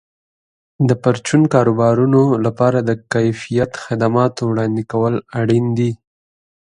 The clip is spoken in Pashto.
د پرچون کاروبارونو لپاره د کیفیت خدماتو وړاندې کول اړین دي.